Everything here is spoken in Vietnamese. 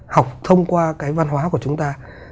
học thông qua cái văn hóa của chúng ta